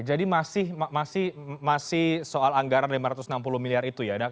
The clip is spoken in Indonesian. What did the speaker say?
jadi masih soal anggaran rp lima ratus enam puluh miliar itu ya